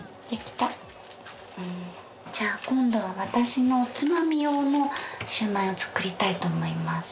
じゃあ今度は私のおつまみ用のシュウマイを作りたいと思います。